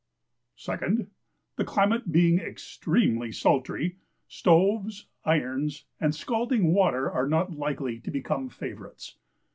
Second, the climate being extremely sultry, stoves, irons, and scalding water are not likely to become favourites.